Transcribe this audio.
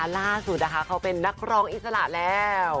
ล่าสุดนะคะเขาเป็นนักร้องอิสระแล้ว